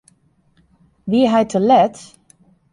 Wie hy te let?